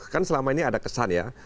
kan selama ini ada kesan ya